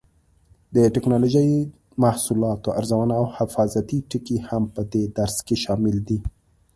د ټېکنالوجۍ محصولاتو ارزونه او حفاظتي ټکي هم په دې درس کې شامل دي.